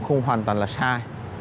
không hoàn toàn là sai